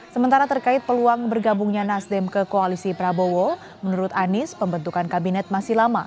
sementara terkait peluang bergabungnya nasdem ke koalisi prabowo menurut anies pembentukan kabinet masih lama